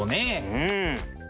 うん。